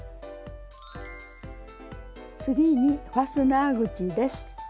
次にファスナー口です。